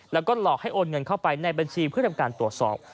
แล้วก็หลอกให้โอนเงินเข้าไปในบัญชีเพื่อทำการตรวจสอบ